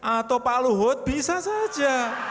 atau pak luhut bisa saja